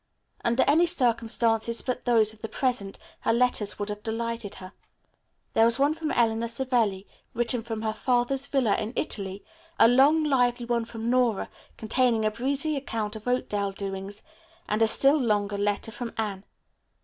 Under any circumstances but those of the present her letters would have delighted her. There was one from Eleanor Savelli, written from her father's villa in Italy, a long lively one from Nora, containing a breezy account of Oakdale doings, and a still longer letter from Anne.